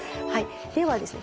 ではですね